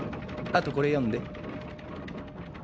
あとこれ読んで。